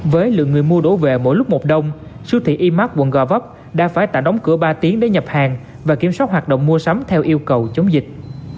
với lượng người mua đỗ về mỗi lúc một đông xu thị imac quận go vop đã phải tạm đóng cửa ba tiếng để nhập hàng và kiểm soát hoạt động mua sắm theo yêu cầu chống dịch